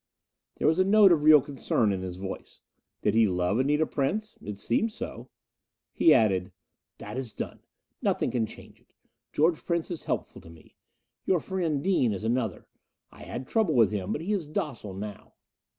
There was a note of real concern in his voice. Did he love Anita Prince? It seemed so. He added, "That is done nothing can change it. George Prince is helpful to me. Your friend Dean is another. I had trouble with him, but he is docile now."